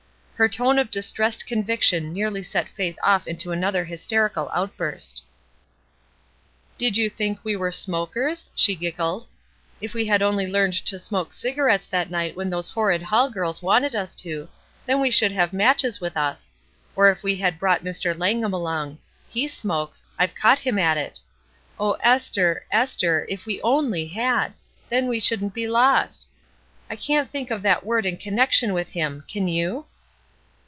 Her tone of distressed conviction nearly set Faith off into another hysterical outburst. "Did you think we were smokers?" she giggled. ''If we had only learned to smoke cigarettes that night when those horrid Hall girls wanted us to, then we should have matches with us. Or if we had brought Mr, Langham along. He smokes; IVe caught him at it. Oh, Esther, Esther! if we only had! then we shouldn't be lost. I can't think of that word in connection with him. Can you?"